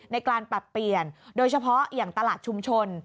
ในการปรับเปลี่ยนโดยเฉพาะอย่างตลาดชุมชน